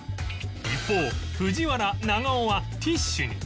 一方藤原長尾はティッシュ